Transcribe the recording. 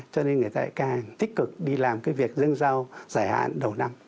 cho nên người ta càng tích cực đi làm cái việc dân sao giải hạn đầu năm